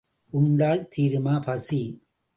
உண்டால் தீருமா பசி?